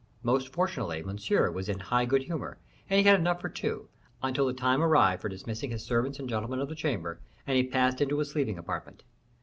Most fortunately Monsieur was in high good humor, and he had enough for two, until the time arrived for dismissing his servants and gentlemen of the chamber, and he passed into his sleeping apartment.